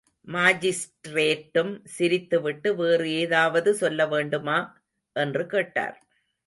மாஜிஸ்ட்ரேட்டும் சிரித்து விட்டு வேறு ஏதாவது சொல்ல வேண்டுமா? என்று கேட்டார்.